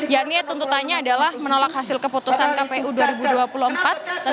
yang ini tuntutannya adalah menolak hasil keputusan kppi